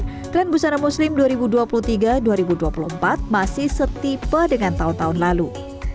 tren busana muslim dua ribu dua puluh tiga dua ribu dua puluh empat masih setipe dengan tahun tahun lalu